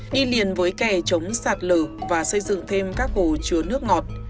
đi liền với kè chống sạt lở và xây dựng thêm các hồ chứa nước ngọt